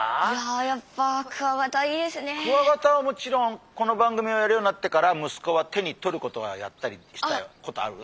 いややっぱクワガタはもちろんこの番組をやるようになってからむすこは手にとることはやったりしたことある？